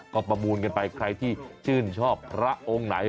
ก็ประมูลกันไปใครที่ชื่นชอบพระองค์ไหน